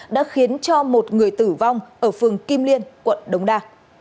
đã khiến cho một người tử vong ở phường kim liên quận đống đa